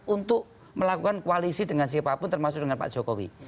untuk melakukan koalisi dengan siapapun termasuk dengan pak jokowi